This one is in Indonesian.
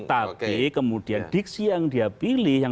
tapi kemudian diksi yang dia pilih yang